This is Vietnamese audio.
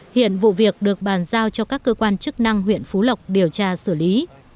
hiện vụ việc được bàn giao cho các cơ quan chức năng huyện phú lộc điều tra xử lý